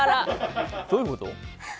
どういうこと？